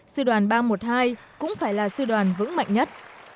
sư đoàn ba trăm một mươi hai cũng phải là sư đoàn vững mạnh nhất